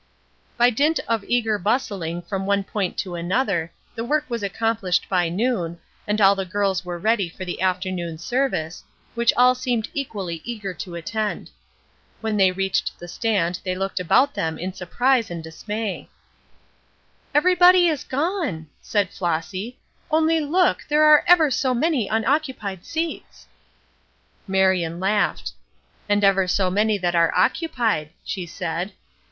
By dint of eager bustling from one point to another, the work was accomplished by noon, and all the girls were ready for the afternoon service, which all seemed equally eager to attend. When they reached the stand they looked about them in surprise and dismay. "Everybody is gone!" said Flossy, "only look! There are ever so many unoccupied seats!" Marion laughed. "And ever so many that are occupied," she said.